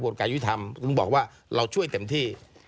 ซึ่งบอกว่าเราช่วยเต็มที่